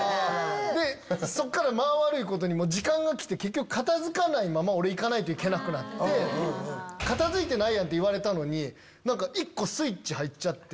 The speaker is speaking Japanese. でそっから間悪いことに時間がきて結局片付かないまま俺行かないといけなくなって。って言われたのに１個スイッチ入っちゃって。